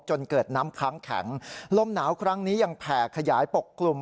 จนเกิดน้ำค้างแข็งลมหนาวครั้งนี้ยังแผ่ขยายปกกลุ่ม